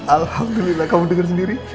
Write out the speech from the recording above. alhamdulillah kamu denger sendiri